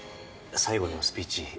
最後のスピーチ